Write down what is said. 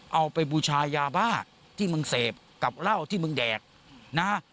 เอาไปบูชายาบ้าที่มึงเสพกับเหล้าที่มึงแดกนะ